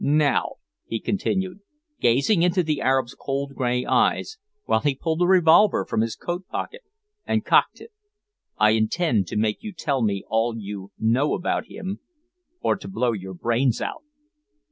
Now," he continued, gazing into the Arab's cold grey eyes, while he pulled a revolver from his coat pocket and cocked it, "I intend to make you tell me all you know about him, or to blow your brains out."